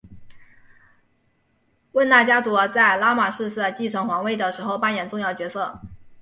汶那家族在拉玛四世继承皇位的时候扮演重要角色。